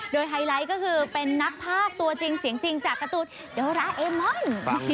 โดยไฮไลท์ก็คือเป็นนักภาคตัวจริงเสียงจริงจากการ์ตูนโดราเอมอน